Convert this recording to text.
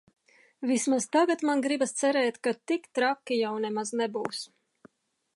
Vismaz tagad man gribas cerēt, ka tik traki jau nemaz nebūs.